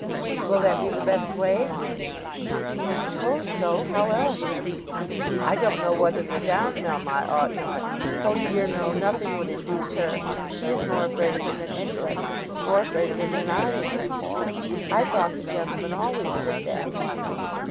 "Will that be the best way?" "I suppose so. How else?" "I don't know whether Madame Melmotte ought not " "Oh dear no. Nothing would induce her. She is more afraid of him than anybody; more afraid of him than I am. I thought the gentleman always did that."